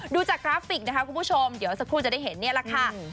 ดูจากกราฟิกนะคะคุณผู้ชมเดี๋ยวสักครู่จะได้เห็นนี่แหละค่ะ